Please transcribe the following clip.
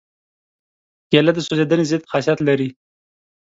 کېله د سوځېدنې ضد خاصیت لري.